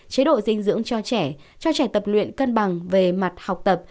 chế độ dinh dưỡng cho trẻ cho trẻ tập luyện cân bằng về mặt học tập